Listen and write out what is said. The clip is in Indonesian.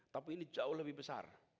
tapi ini jauh lebih besar